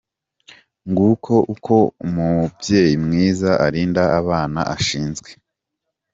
Nguko uko umubyeyi mwiza arinda abana ashinzwe !.